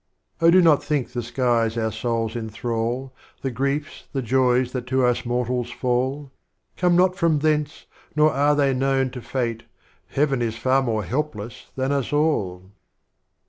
Ah do not think the Skies our Souls enthrall, The Griefs, the Joys that to us Mortals fall, Come not from Thence, nor are they known to Fate, Heaven is far more helpless than us all.